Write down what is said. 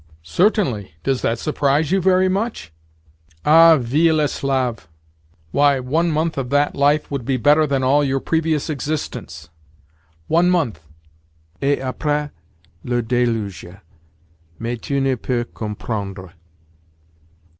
"Certainly. Does that surprise you very much? Ah, vil esclave! Why, one month of that life would be better than all your previous existence. One month—et après, le déluge! Mais tu ne peux comprendre.